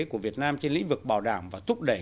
của việt nam trên lĩnh vực bảo đảm và thúc đẩy